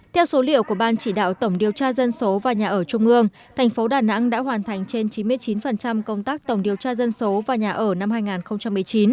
theo số liệu của ban chỉ đạo tổng điều tra dân số và nhà ở trung ương thành phố đà nẵng đã hoàn thành trên chín mươi chín công tác tổng điều tra dân số và nhà ở năm hai nghìn một mươi chín